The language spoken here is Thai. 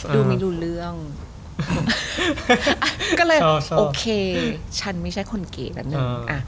ดูไม่รู้เรื่องก็เลยโอเคฉันไม่ใช่คนเก๋แบบหนึ่ง